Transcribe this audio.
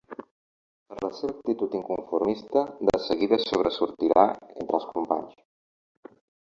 Per la seva actitud inconformista de seguida sobresortirà entre els companys.